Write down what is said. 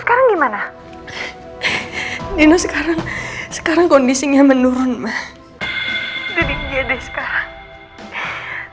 sekarang gimana dino sekarang sekarang kondisinya menurun mah udah digede sekarang